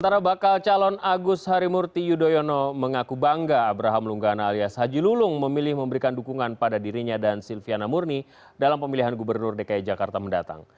sementara bakal calon agus harimurti yudhoyono mengaku bangga abraham lunggana alias haji lulung memilih memberikan dukungan pada dirinya dan silviana murni dalam pemilihan gubernur dki jakarta mendatang